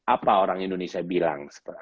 apa orang indonesia bilang